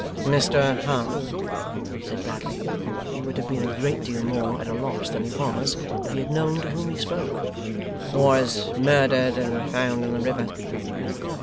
'Mr Harmon,' said Bradley: who would have been a great deal more at a loss than he was, if he had known to whom he spoke: 'was murdered and found in the river.